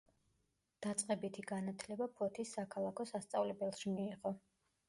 დაწყებითი განათლება ფოთის საქალაქო სასწავლებელში მიიღო.